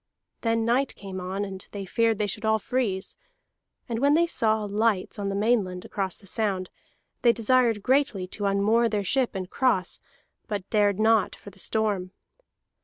Then night came on, and they feared they should all freeze; and when they saw lights on the mainland across the sound, they desired greatly to unmoor their ship and cross, but dared not for the storm.